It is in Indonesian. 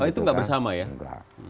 itu nggak bersama ya